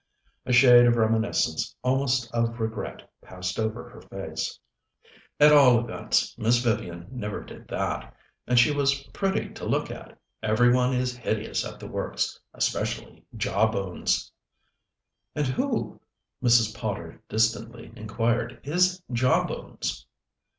A shade of reminiscence, almost of regret, passed over her face. "At all events, Miss Vivian never did that and she was pretty to look at. Every one is hideous at the works especially Jawbones." "And who," Mrs. Potter distantly inquired, "is Jawbones?"